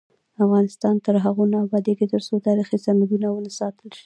افغانستان تر هغو نه ابادیږي، ترڅو تاریخي سندونه وساتل نشي.